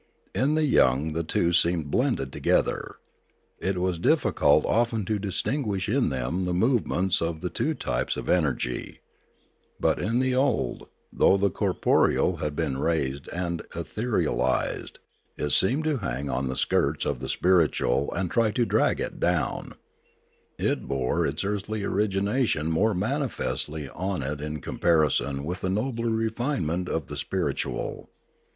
In the young the two seemed blended together; it was difficult often to distinguish in them the movements of the two types of energy. But in the old, though the corporeal had Death 39 J been raised and etherealised, it seemed to hang on the skirts of the spiritual and try to drag it down; it bore its earthly origination more manifestly on it in com parison with the nobler refinement of the spiritual.